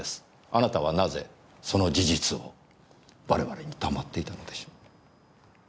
あなたはなぜその事実を我々に黙っていたのでしょう？